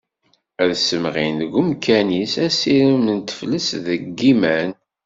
Ad ssemɣin deg umkan-is asirem d teflest deg yiman.